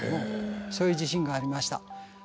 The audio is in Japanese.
そういう地震がありました。